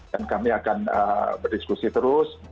dan kami akan berdiskusi terus